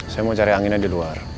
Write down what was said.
saya mau cari anginnya di luar